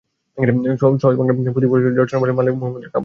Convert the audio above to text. সহজ বাংলায় পুঁথি রচনার ফলে মালে মোহাম্মদের কাব্য ভীষণ জনপ্রিয়তা পায়।